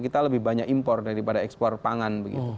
kita lebih banyak impor daripada ekspor pangan